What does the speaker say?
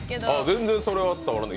全然それは伝わらない。